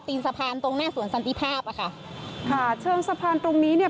สะพานตรงหน้าสวนสันติภาพอ่ะค่ะค่ะเชิงสะพานตรงนี้เนี่ย